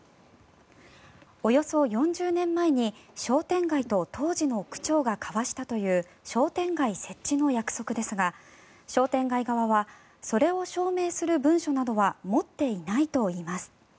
およそ４０年前に商店街と当時の区長が交わしたという商店街設置の約束ですが商店街側はそれを証明する文書などは持っていないといいます。